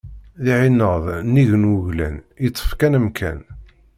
D iɛineḍ nnig n wuglan yeṭṭef kan amkan.